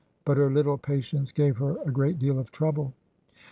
But her little patients gave her a great deal of trouble.